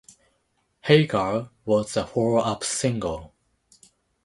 "Hey Girl" was the follow-up single.